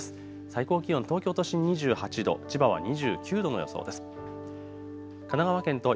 最高気温、東京都心２８度、千葉は２９度の予想です。